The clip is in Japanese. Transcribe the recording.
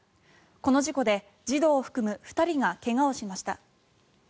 この事故で児童を含む２人が怪我をしました。